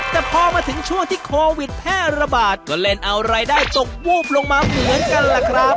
แต่พอมาถึงช่วงที่โควิดแพร่ระบาดก็เล่นเอารายได้ตกวูบลงมาเหมือนกันล่ะครับ